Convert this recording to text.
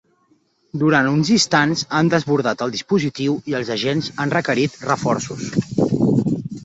Durant uns instants han desbordat el dispositiu i els agents han requerit reforços.